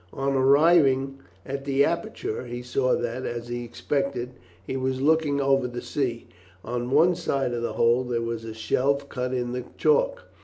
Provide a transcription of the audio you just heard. On arriving at the aperture, he saw that, as he expected, he was looking over the sea. On one side of the hole there was a shelf cut in the chalk.